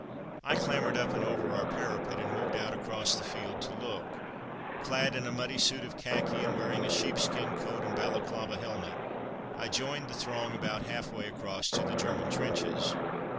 I clambered up and over our parapet, and moved out across the field to look. Clad in a muddy suit of khaki and wearing a sheepskin coat and Balaclava helmet, I joined the throng about half way across to the German trenches.